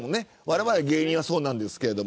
われわれ芸人はそうなんですが。